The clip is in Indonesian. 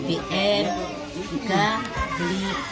empat bbm tiga beli sembako tiga